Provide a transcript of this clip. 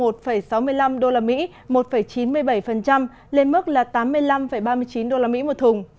tương đương với một sáu mươi năm usd một chín mươi bảy lên mức tám mươi năm ba mươi chín usd một thùng